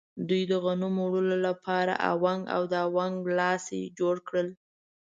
دوی د غنمو وړلو لپاره اونګ او د اونګ لاستی جوړ کړل.